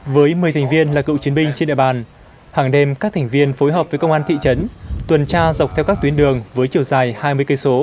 với một mươi thành viên là cựu chiến binh trên địa bàn hàng đêm các thành viên phối hợp với công an thị trấn tuần tra dọc theo các tuyến đường với chiều dài hai mươi km